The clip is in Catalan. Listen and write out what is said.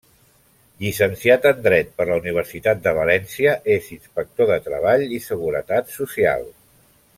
Llicenciat en dret per la Universitat de València, és inspector de treball i seguretat social.